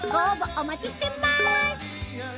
お待ちしてます